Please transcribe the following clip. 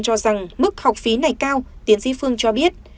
ngoài ra mức học phí này cao tiến sĩ phương cho biết